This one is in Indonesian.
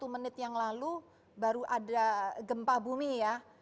satu menit yang lalu baru ada gempa bumi ya